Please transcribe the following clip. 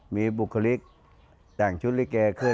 มีบุคลิกแต่งชุดลิเกขึ้น